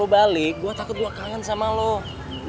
biar kayak orang pacaran